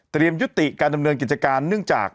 ยุติการดำเนินกิจการเนื่องจาก